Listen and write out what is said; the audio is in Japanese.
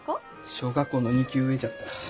小学校の２級上じゃった。